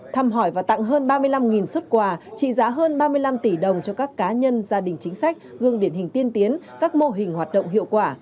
thăm hỏi và tặng hơn ba mươi năm xuất quà trị giá hơn ba mươi năm tỷ đồng cho các cá nhân gia đình chính sách gương điển hình tiên tiến các mô hình hoạt động hiệu quả